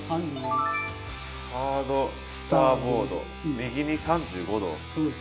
ハード・スター・ボード右に３５度。